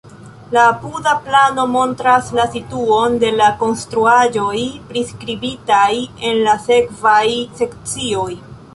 La apuda plano montras la situon de la konstruaĵoj priskribitaj en la sekvaj sekcioj.